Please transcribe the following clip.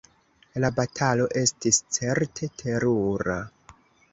La batalo estis certe terura!